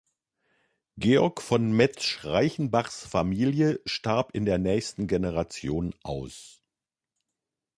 Georg von Metzsch-Reichenbachs Familie starb in der nächsten Generation aus.